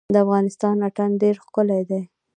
د افغانستان اتن ډیر ښکلی دی